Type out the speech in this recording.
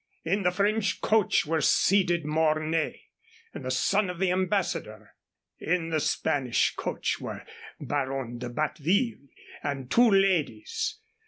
In the French coach were seated Mornay and the son of the ambassador. In the Spanish coach were Baron de Batteville and two ladies.